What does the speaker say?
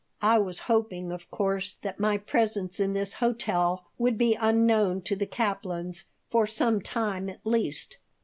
I was hoping, of course, that my presence in this hotel would be unknown to the Kaplans, for some time at least.